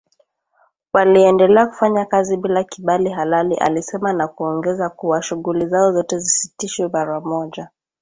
Waliendelea kufanya kazi bila kibali halali alisema na kuongeza kuwa shughuli zao zote zisitishwe mara moja